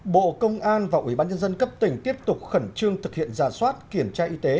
bộ công an và ubnd cấp tỉnh tiếp tục khẩn trương thực hiện giả soát kiểm tra y tế